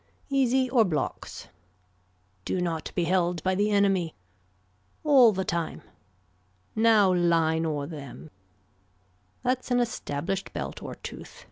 Easy or blocks. Do not be held by the enemy. All the time. Now line or them. That's an established belt or tooth.